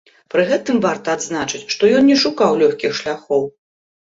Пры гэтым варта адзначыць, што ён не шукаў лёгкіх шляхоў.